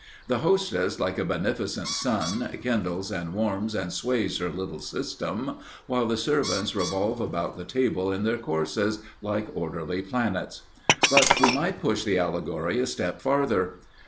The hostess, like a beneficent sun, kindles and warms and sways her little system, while the servants revolve about the table in their courses, like orderly planets. But we might push the allegory a step farther.